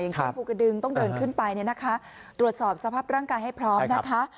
อย่างเจ้าผูกระดึงต้องเดินขึ้นไปตรวจสอบสภัพร์ร่างกายให้พร้อมนะคะ